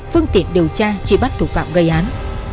phương tiện điều tra truy bắt thủ phạm gây án